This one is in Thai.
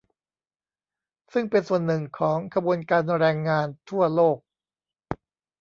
ซึ่งเป็นส่วนหนึ่งของขบวนการแรงงานทั่วโลก